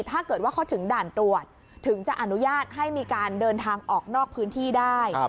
ถ้าเกิดว่าเขาถึงด่านตรวจถึงจะอนุญาตให้มีการเดินทางออกนอกพื้นที่ได้